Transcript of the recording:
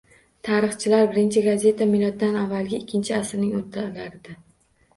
Tarixchilar birinchi gazeta miloddan avvalgi ikkinchi asrning o‘rtalarida